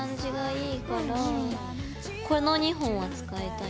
この２本は使いたい。